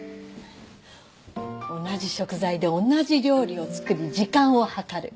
同じ食材で同じ料理を作り時間を計る。